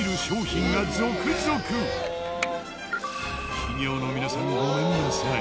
企業の皆さんごめんなさい。